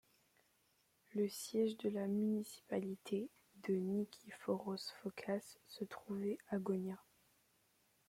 Le siège de la municipalité de Nikifóros Fokás se trouvait à Gonia.